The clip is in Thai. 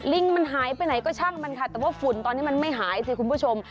ลิงมันหายไปไหนก็ช่างมันค่ะแต่ว่าฝุ่นตอนนี้มันไม่หายสิคุณผู้ชม